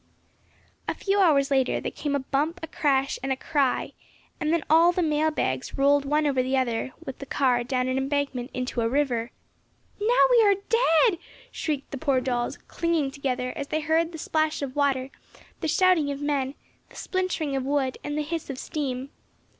A few hours later there come a bump, a crash, a cry, and then all the mail bags rolled one over the other with the car down an embankment into a river. "Now we are dead!" shrieked the poor dolls, clinging together as they heard the splash of water, the shouting of men, the splintering of wood, and the hiss of steam.